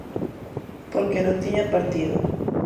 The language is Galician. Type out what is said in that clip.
Porque non tiña partido.